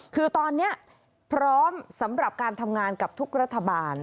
คือตอนนี้พร้อมสำหรับการทำงานกับทุกรัฐบาล